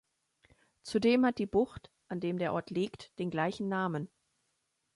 Zudem hat die Bucht, an dem der Ort liegt, den gleichen Namen.